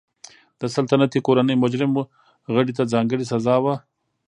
د سلطنتي کورنۍ مجرم غړي ته ځانګړې سزا وه.